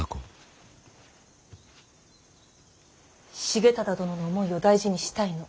重忠殿の思いを大事にしたいの。